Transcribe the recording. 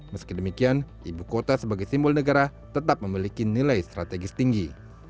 meski demikian ibu kota sebagai simbol negara tetap memiliki nilai strategis tinggi